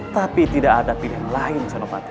tapi tidak ada pilihan lain senopati